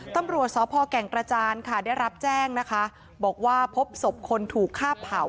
ตำรวจสพแก่งกระจานค่ะได้รับแจ้งนะคะบอกว่าพบศพคนถูกฆ่าเผา